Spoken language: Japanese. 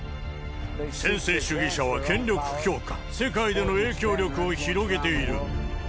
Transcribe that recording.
専制主義者は権力強化、世界での影響力を広げている。